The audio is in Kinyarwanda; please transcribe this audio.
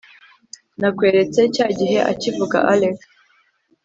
nakweretse cyagihe akivuga alex